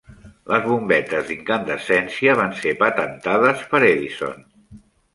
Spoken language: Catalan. Les bombetes d'incandescència van ser patentades per Edison.